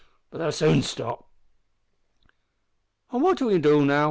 But they'll soon stop." "An' what'll we do now?"